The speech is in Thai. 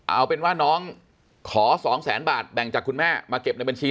เอาเป็นว่าน้องขอสองแสนบาทแบ่งจากคุณแม่มาเก็บในบัญชี